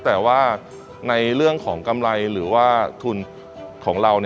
แต่ว่าในเรื่องของกำไรหรือว่าทุนของเรา